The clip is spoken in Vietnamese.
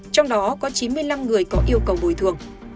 trong đó có chín mươi năm người có yêu cầu bồi thường